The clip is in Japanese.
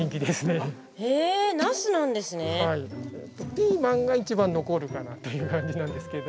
ピーマンが一番残るかなという感じなんですけども。